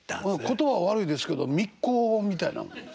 言葉は悪いですけど密航みたいなもん。